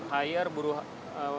hire buruh harian